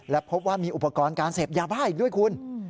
และพบว่ามีอุปกรณ์การเสพยาบ้าอีกด้วยคุณ